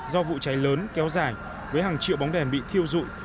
do vụ cháy lớn kéo dài với hàng triệu bóng đèn bị thiêu dụi